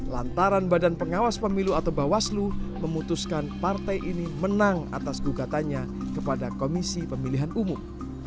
lantaran badan pengawas pemilu atau bawaslu memutuskan partai ini menang atas gugatannya kepada komisi pemilihan umum